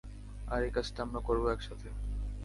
আর একাজটা আমরা করবো একসাথে।